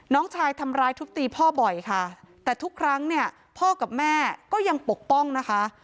น้องชายทำร้ายทุบตีพ่อบ่อยค่ะแต่ทุกครั้งเนี่ยพ่อกับแม่ก็ยังปกป้องนะคะ